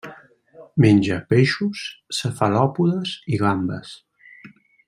Menja peixos, cefalòpodes i gambes.